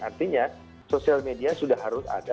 artinya sosial media sudah harus ada